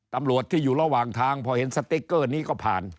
ตำรวจที่อยู่ระหว่างทางพอเห็นสติ๊กเกอร์นี้ก็ผ่าน